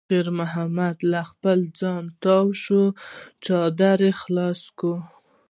شېرمحمد له خپل ځانه تاو شوی څادر خلاص کړ.